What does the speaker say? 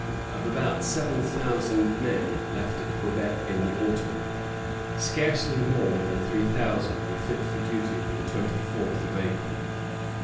Of about seven thousand men left at Quebec in the autumn, scarcely more than three thousand were fit for duty on the twenty fourth of April.